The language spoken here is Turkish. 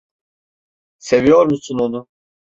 Seviyor musun onu?